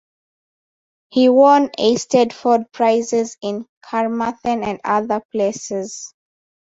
He won eisteddfod prizes in Carmarthen and other places.